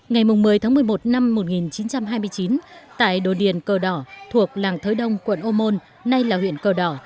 ngày một mươi tháng một mươi một năm một nghìn chín trăm hai mươi chín tại đồ điền cờ đỏ thuộc làng thới đông quận ô môn nay là huyện cờ đỏ